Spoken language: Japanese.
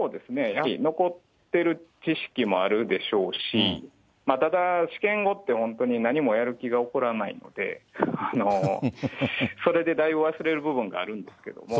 やはり残ってる知識もあるでしょうし、ただ、試験後って、本当に何もやる気が起こらないので、それでだいぶ忘れる部分があるんですけども。